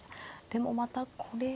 でもまたこれは。